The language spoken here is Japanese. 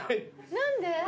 何で？